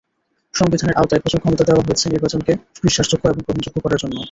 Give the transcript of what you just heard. সংবিধানের আওতায় প্রচুর ক্ষমতা দেওয়া হয়েছে নির্বাচনকে বিশ্বাসযোগ্য এবং গ্রহণযোগ্য করার জন্য।